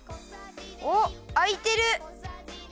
おっあいてる！